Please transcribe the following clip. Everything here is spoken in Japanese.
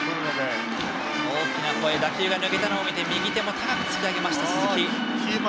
大きな声打球が抜けたのを見て右手を高く突き上げた鈴木。